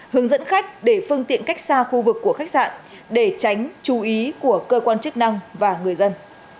hướng dẫn khách để phương tiện cách xa khu vực của khách sạn để tránh chú ý của cơ quan chức năng và người dân